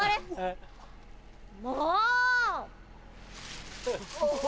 もう！